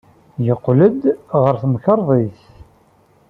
Yeqqel-d ɣer temkarḍit.